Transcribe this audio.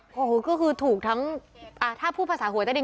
โอ้โหก็คือถูกทั้งถ้าพูดภาษาหวยใต้ดิน